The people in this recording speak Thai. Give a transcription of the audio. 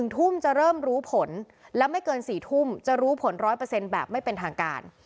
ทุ่มจะเริ่มรู้ผลและไม่เกิน๔ทุ่มจะรู้ผล๑๐๐แบบไม่เป็นทางการ